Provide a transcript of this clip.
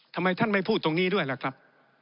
ทำไมท่านไม่พูดตรงนี้ด้วยล่ะครับ